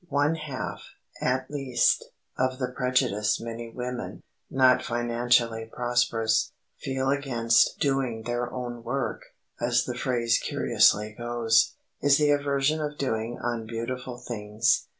One half, at least, of the prejudice many women, not financially prosperous, feel against "doing their own work," as the phrase curiously goes, is the aversion to doing unbeautiful things.